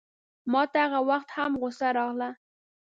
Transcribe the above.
ماته هغه وخت هم غوسه راغله.